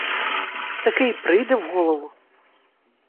Таке й прийде в голову!